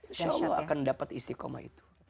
insya allah akan dapat istiqomah itu